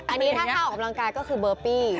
อันนี้ถ้าเข้าออกกำลังกายก็คือเบอร์ปี้